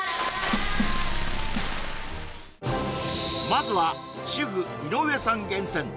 まずは主婦井上さん厳選！